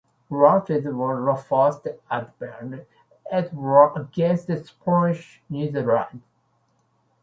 France was forced to abandon its war against the Spanish Netherlands.